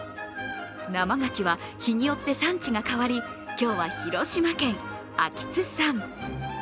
生がきは日によって産地が変わり今日は広島県、安芸津産。